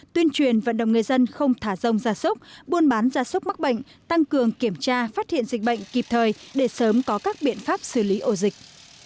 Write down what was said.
tuyên truyền vận động người dân không thả rông gia súc buôn bán gia súc mắc bệnh tăng cường kiểm tra phát hiện dịch bệnh kịp thời để sớm có các biện pháp xử lý ổ dịch